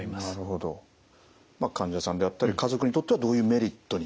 患者さんであったり家族にとってはどういうメリットに。